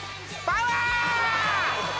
パワー！